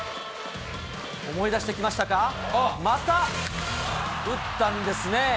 思い出してきましたか、また打ったんですね。